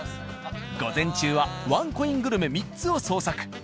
午前中はワンコイングルメ３つを捜索。